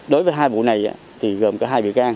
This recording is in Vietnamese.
đối với hai vụ này thì gồm cả hai bị can